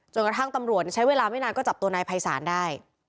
กระทั่งตำรวจใช้เวลาไม่นานก็จับตัวนายภัยศาลได้